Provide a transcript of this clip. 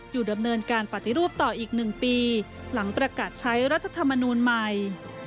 ดำเนินการปฏิรูปต่ออีก๑ปีหลังประกาศใช้รัฐธรรมนูลใหม่